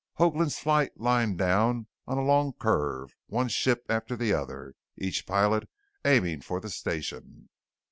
Hoagland's flight lined down on a long curve, one ship after the other, each pilot aiming for the station.